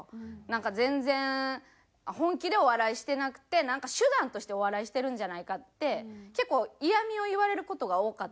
なんか全然本気でお笑いしてなくてなんか手段としてお笑いしてるんじゃないかって結構嫌みを言われる事が多かったんですよ。